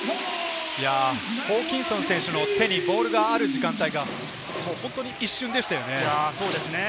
ホーキンソン選手の手にボールがある時間帯が本当に一瞬でしたよね。